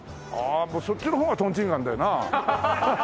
そっちの方がとんちんかんだよな。